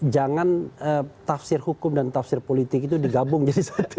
jangan tafsir hukum dan tafsir politik itu digabung jadi satu